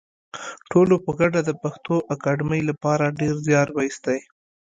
ټولو په ګډه د پښتو اکاډمۍ لپاره ډېر زیار وایستی